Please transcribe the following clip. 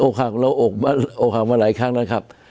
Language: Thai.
หักเราอกหักมาหลายครั้งแล้วครับ